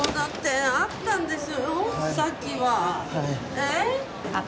えっ？